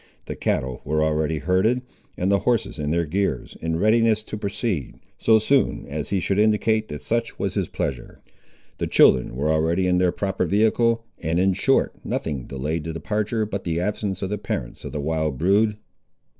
The cattle were already herded, and the horses in their gears, in readiness to proceed, so soon as he should indicate that such was his pleasure. The children were already in their proper vehicle, and, in short, nothing delayed the departure but the absence of the parents of the wild brood.